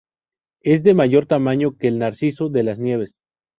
Es de mayor tamaño que el narciso de las nieves.